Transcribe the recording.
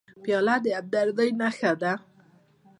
پیاله د همدردۍ نښه ده.